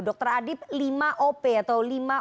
dr adip lima op atau lima orang